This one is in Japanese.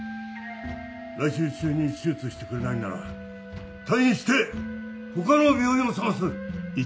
来週中に手術してくれないんなら退院して他の病院を探す！